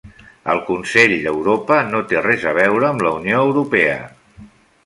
El Consell d'Europa no té res a veure amb la Unió Europea.